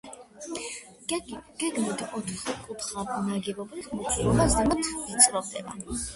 გეგმით ოთხკუთხა ნაგებობის მოცულობა ზემოთ ვიწროვდება.